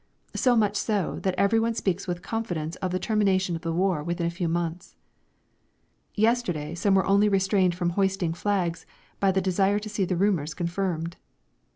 So much so, that everyone speaks with confidence of the termination of the war within a few months. Yesterday some were only restrained from hoisting flags by the desire to see the rumours confirmed.